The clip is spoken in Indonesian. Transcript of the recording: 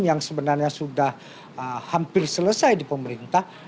yang sebenarnya sudah hampir selesai di pemerintah